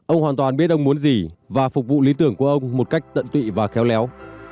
ông hoàn toàn biết ông muốn gì và phục vụ lý tưởng của ông một cách tận tụy và khéo léo